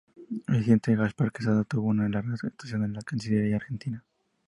Vicente Gaspar Quesada tuvo una larga actuación en la Cancillería argentina.